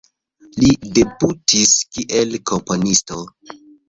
Li debutis kiel komponisto.